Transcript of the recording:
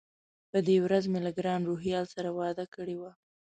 په دې ورځ مې له ګران روهیال سره وعده کړې وه.